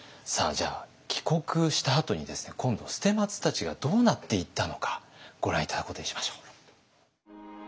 じゃあ帰国したあとに今度捨松たちがどうなっていったのかご覧頂くことにしましょう。